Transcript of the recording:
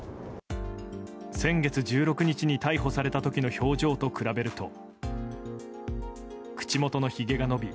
先月１６日に逮捕された時の表情と比べると口元のひげが伸び